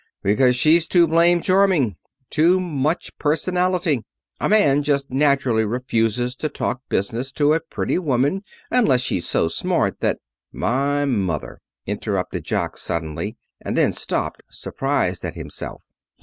Because she's too blame charming. Too much personality. A man just naturally refuses to talk business to a pretty woman unless she's so smart that " "My mother," interrupted Jock, suddenly, and then stopped, surprised at himself.